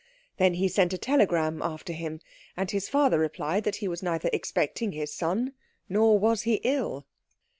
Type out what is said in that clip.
Then he sent a telegram after him, and his father replied that he was neither expecting his son nor was he ill.